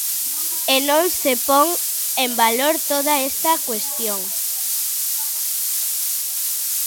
E non se pon en valor toda esta cuestión.